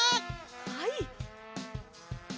はい。